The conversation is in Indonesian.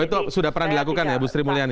itu sudah pernah dilakukan ya bu sri mulyani